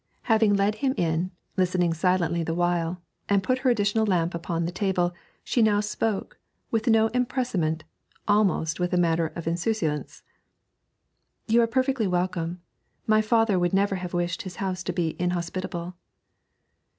Having led him in, listening silently the while, and put her additional lamp upon the table, she now spoke, with no empressement, almost with a manner of insouciance. 'You are perfectly welcome; my father would never have wished his house to be inhospitable.'